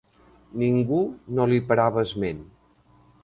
Ningú no li parava esment.